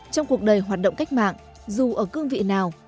trong cuộc đời hoạt động cách mạng dù ở cương vị nào